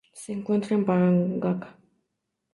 Se encuentran en Bangka.